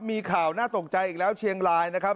มีข่าวน่าตกใจอีกแล้วเชียงรายนะครับ